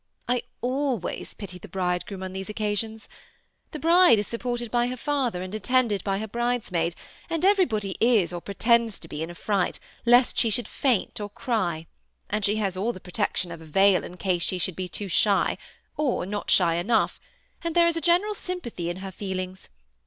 I always pity the bridegroom on these occasions. The bride is sup ported by her father, and attended by her bridesmaids, and everybody is or pretends to be in a fright, lest she should faint or cry ; and she has all the protection of a veil in case she should be too shy or not shy enough ; and there is a general sympathy in her feelings.